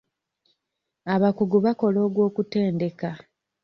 Abakugu bakola ogw'okutendeka.